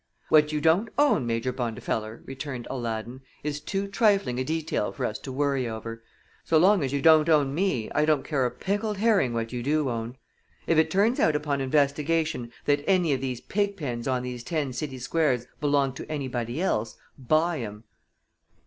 "What you don't own, Major Bondifeller," returned Aladdin, "is too trifling a detail for us to worry over. So long as you don't own me I don't care a pickled herring what you do own. If it turns out upon investigation that any of these pig pens on these ten city squares belong to anybody else, buy 'em."